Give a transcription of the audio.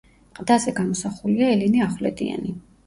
ყდაზე გამოსახულია ელენე ახვლედიანი.